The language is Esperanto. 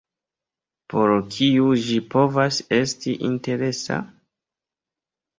Por kiuj ĝi povas esti interesa?